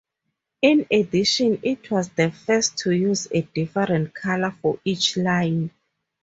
In addition, it was the first to use a different color for each line.